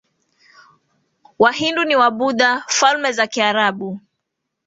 Wahindu ni Wabuddha nkFalme za Kiarabu